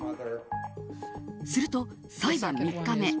すると、裁判３日目。